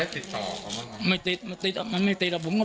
พ่อของสทเปี๊ยกบอกว่า